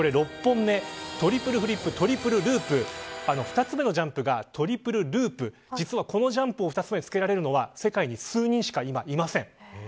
６本目トリプルフリップトリプルループ２つ目のジャンプがトリプルループ実はこのジャンプを２つ目につけられるのは今、世界に数人しかいません。